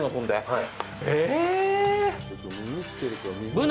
はい。